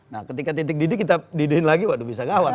kalau di titik didik kita didihin lagi waduh bisa ngawar